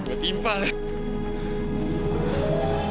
gue timpal ya